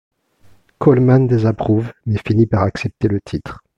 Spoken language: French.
Coleman désapprouve mais finit par accepter le titre.